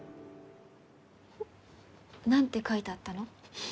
何て書いてあったの？